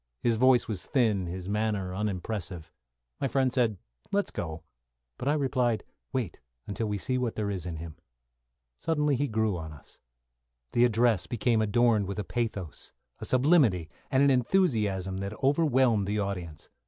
His voice was thin, his manner unimpressive. My friend said, "Let's go," but I replied, "Wait until we see what there is in him." Suddenly, he grew upon us. The address became adorned with a pathos, a sublimity, and an enthusiasm that overwhelmed the audience.